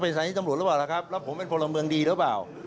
ก็เป็นสัญญาณจำรวจหรือเปล่าครับรับผมเป็นพรหมุนดีหรือเปล่า